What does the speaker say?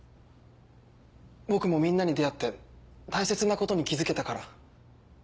僕もみんなに出会って大切なことに気付けたから。